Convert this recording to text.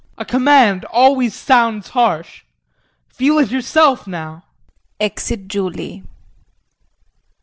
A command always sounds harsh. Feel it yourself now. [Exit Julie.